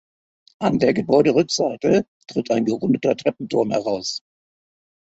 An der Gebäuderückseite tritt ein gerundeter Treppenturm heraus.